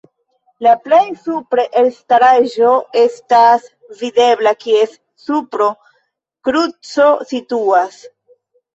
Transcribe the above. La plej supre elstaraĵo estas videbla, kies supro kruco situas.